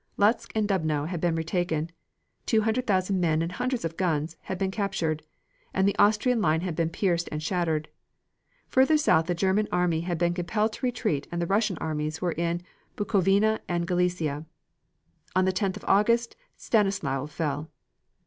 Lutsk and Dubno had been retaken; two hundred thousand men and hundreds of guns, had been captured, and the Austrian line had been pierced and shattered. Further south the German army had been compelled to retreat and the Russian armies were in Bukovina and Galicia. On the 10th of August Stanislau fell.